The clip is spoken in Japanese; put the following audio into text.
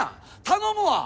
頼むわ！